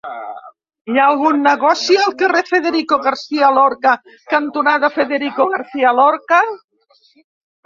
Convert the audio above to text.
Hi ha algun negoci al carrer Federico García Lorca cantonada Federico García Lorca?